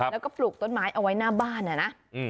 แล้วก็ปลูกต้นไม้เอาไว้หน้าบ้านนะ